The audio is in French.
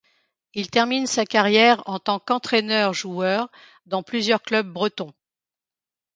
Il termine sa carrière en tant qu'entraîneur-joueur dans plusieurs clubs bretons.